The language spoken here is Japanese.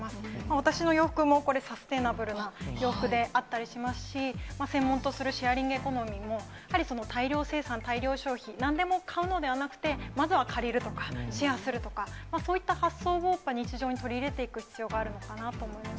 私の洋服も、これサステナブルな洋服であったりしますし、専門とするシェアリングエコノミーも、やはり大量生産、大量消費、なんでも買うのではなくて、まずは借りるとか、シェアするとか、そういった発想も、やっぱ日常に取り入れていく必要があるのかなと思います。